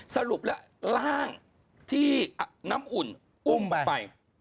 สรุปล่ะร่างที่น้ำอุ่นอุ่มไป